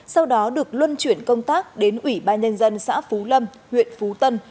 sau đó được luân chuyển công tác đến ủy ban nhân dân xã phú lâm huyện phú tân